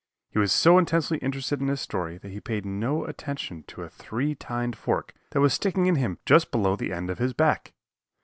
He was so intensely interested in his story that he paid no attention to a three tined fork that was sticking in him just below the end of his back.